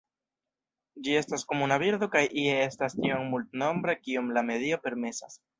Ĝi estas komuna birdo kaj ie estas tiom multnombra kiom la medio permesas.